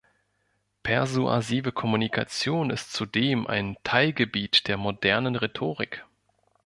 Persuasive Kommunikation ist zudem ein Teilgebiet der modernen Rhetorik.